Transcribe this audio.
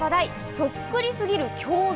そっくりすぎる胸像。